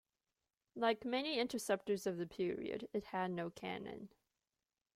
Like many interceptors of the period, it had no cannon.